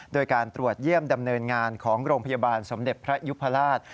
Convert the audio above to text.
โดยการตรวจเยี่ยมดำเนินงานของโรงพยาบาลสมเด็จพระยุพราช